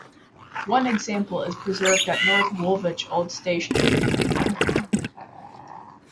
One example is preserved at North Woolwich Old Station Museum.